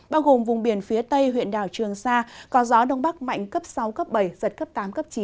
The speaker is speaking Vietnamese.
bao gồm vùng biển phía tây huyện đảo trường sa có gió đông bắc mạnh cấp sáu cấp bảy giật cấp tám cấp chín